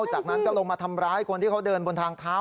จากนั้นก็ลงมาทำร้ายคนที่เขาเดินบนทางเท้า